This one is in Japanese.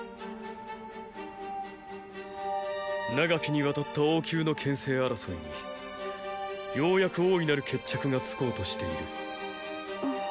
永きに亘った王宮の権勢争いにようやく大いなる決着がつこうとしている。？